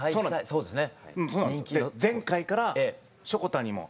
そうですね。